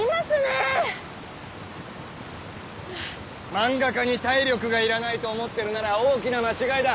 漫画家に体力が要らないと思ってるなら大きな間違いだ。